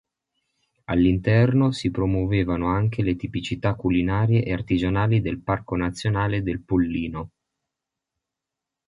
All'interno si promuovevano anche le tipicità culinarie e artigianali del Parco nazionale del Pollino.